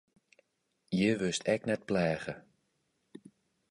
Hjir wurdst ek net pleage.